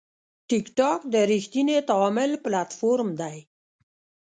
ټکټاک د ریښتیني تعامل پلاتفورم دی.